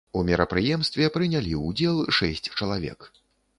У мерапрыемстве прынялі ўдзел шэсць чалавек.